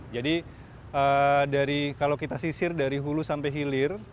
jadi kalau kita sisir dari hulu sampai hilir